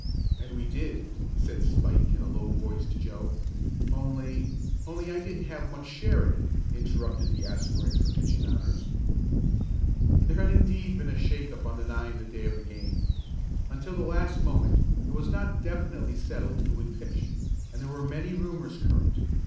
"And we did," said Spike in a low voice to Joe. "Only " "Only I didn't have much share in it," interrupted the aspirant for pitching honors. There had indeed been a "shake up" on the nine the day of the game. Until the last moment it was not definitely settled who would pitch, and there were many rumors current.